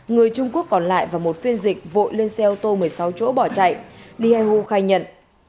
người trung quốc còn lại và một phiên dịch vội lên xe ô tô một mươi sáu chỗ bỏ chạy lee hai ô khai nhận